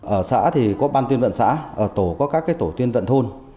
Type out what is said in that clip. ở xã thì có ban tuyên vận xã ở tổ có các tổ tiên vận thôn